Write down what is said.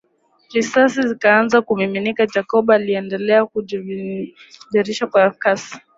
Risasi zikaanza kumiminika Jacob aliendelea kujiviringisha kwa kasi